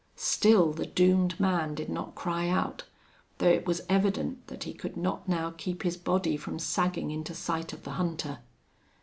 Still the doomed man did not cry out, though it was evident that he could not now keep his body from sagging into sight of the hunter.